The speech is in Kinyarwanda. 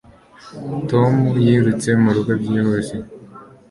Tom yirutse murugo byihuse